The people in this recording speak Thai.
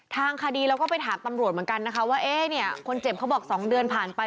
ทางคดีเราก็ไปถามตำรวจเหมือนกันนะคะว่าเอ๊ะเนี่ยคนเจ็บเขาบอก๒เดือนผ่านไป